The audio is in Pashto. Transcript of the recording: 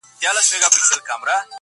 o د اوبو خروار دئ په گوتو ښورېږي.